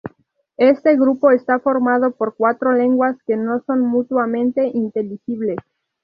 Este grupo está formado por cuatro lenguas que no son mutuamente inteligibles.